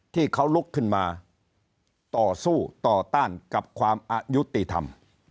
ที่เขาลุกขึ้นมาต่อสู้ต่อต้านกับความอายุติธรรม